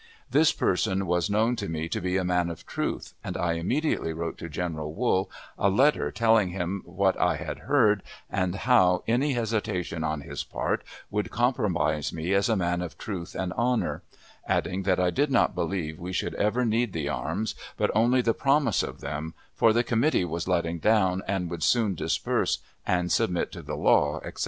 This person was known to me to be a man of truth, and I immediately wrote to General Wool a letter telling him what I had heard, and how any hesitation on his part would compromise me as a man of truth and honor; adding that I did not believe we should ever need the arms, but only the promise of them, for "the committee was letting down, and would soon disperse and submit to the law," etc.